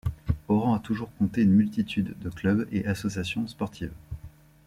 Oran a toujours compté une multitude de clubs et associations sportives.